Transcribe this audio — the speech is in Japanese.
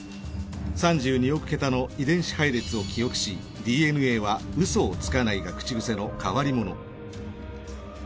３２億桁の遺伝子配列を記憶し「ＤＮＡは嘘をつかない」が口癖の変わり者。